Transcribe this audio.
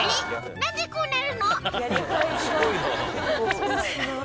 なんでこうなるの？